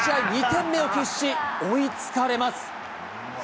２点目を喫し、追いつかれます。